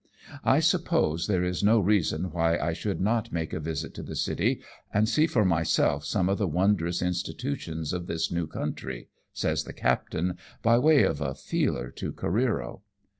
" I suppose there is no reason why I should not make a visit to the city, and see for myself some of the wondrous institutions of this new country ?" saj's the captain, by way of a feeler to Careero.